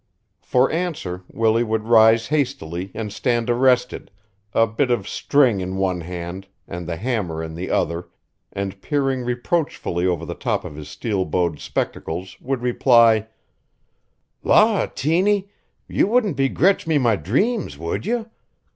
For answer Willie would rise hastily and stand arrested, a bit of string in one hand and the hammer in the other, and peering reproachfully over the top of his steel bowed spectacles would reply: "Law, Tiny! You wouldn't begretch me my dreams, would you?